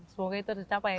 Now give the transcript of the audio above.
semoga itu tercapai